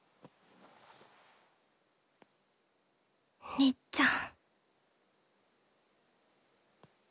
りっちゃん。